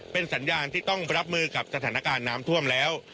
เป็นสัญญาณที่ต้องรับมือกับสถานการณ์น้ำท่วมแล้ว